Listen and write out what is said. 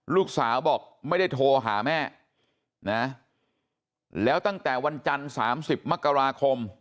ลูกสาวบอกไม่ได้โทรหาแม่นะแล้วตั้งแต่วันจันทร์๓๐มกราคม